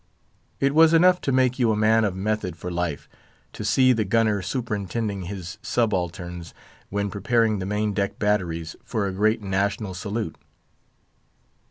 It was enough to make you a man of method for life, to see the gunner superintending his subalterns, when preparing the main deck batteries for a great national salute.